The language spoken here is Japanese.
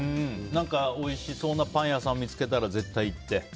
何かおいしそうなパン屋さん見つけたら絶対行って？